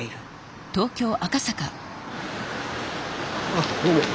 あっどうも。